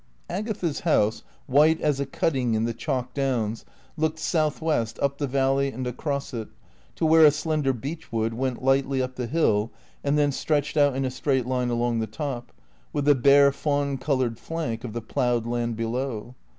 Agatha's house, white as a cutting in the chalk downs, looked southwest, up the valley and across it, to where a slender beech wood went lightly up the hill and then stretched out in a straight line along the top, with the bare fawn coloured flank of the ploughed land below.